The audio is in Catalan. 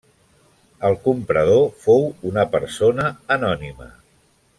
El comprador fou una persona anònima.